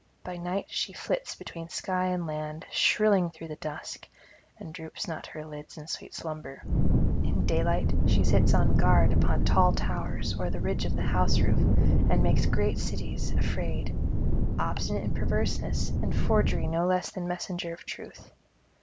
By night she flits between sky and land, shrilling through the dusk, and droops not her lids in sweet slumber; in daylight she sits on guard upon tall towers or the ridge of the house roof, and makes great cities afraid; obstinate in perverseness and forgery no less than messenger of truth.